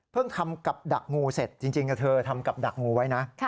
ทำกับดักงูเสร็จจริงเธอทำกับดักงูไว้นะ